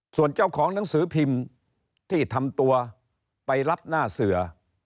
ส่วนเจ้าของหนังสือพิมพ์ที่ทำตัวไปรับหน้าเสือ